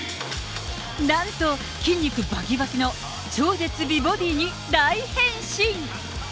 なんと、筋肉ばきばきの超絶美ボディーに大変身。